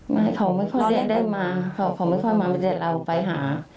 ไม่เขาไม่ค่อยได้มาเขาไม่ค่อยมาไม่ได้เราไปหา